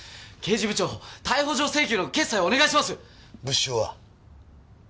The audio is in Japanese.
刑事部長逮捕状請求の決裁をお願いします。物証は？